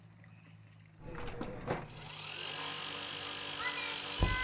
ほないくよ！